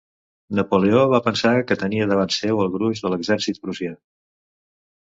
Napoleó va pensar que tenia davant seu al gruix de l'exèrcit prussià.